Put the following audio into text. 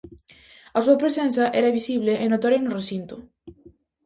A súa presenza era visible e notoria no recinto.